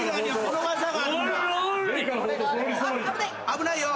危ないよ。